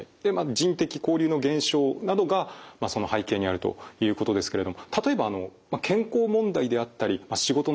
人的交流の減少などがその背景にあるということですけれども例えば健康問題であったり仕事のストレス